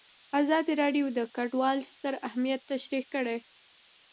ازادي راډیو د کډوال ستر اهميت تشریح کړی.